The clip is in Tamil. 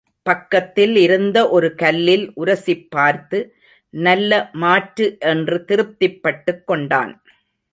பக்கத்தில் இருந்த ஒரு கல்லில் உரசிப்பார்த்து, நல்ல மாற்று என்று திருப்திப்பட்டுக் கொண்டான்.